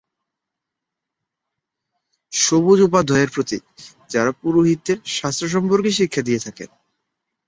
সবুজ: উপাধ্যায় এর প্রতীক, যারা পুরোহিতদের শাস্ত্র সম্পর্কে শিক্ষা দিয়ে থাকেন।